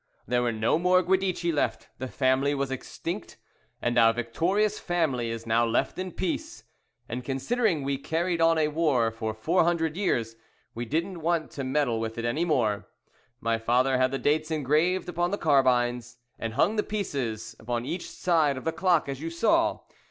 There were no more Guidici left, the family was extinct, and our victorious family is now left in peace; and considering we carried on a war for four hundred years, we didn't want to meddle with it any more. My father had the dates engraved upon the carbines, and hung the pieces up on each side of the clock, as you saw.